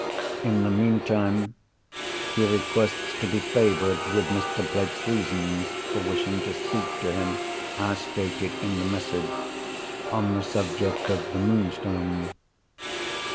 In the meantime, he requests to be favoured with Mr. Blake's reasons for wishing to speak to him (as stated in the message) on the subject of the Moonstone.